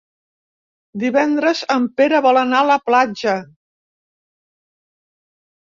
Divendres en Pere vol anar a la platja.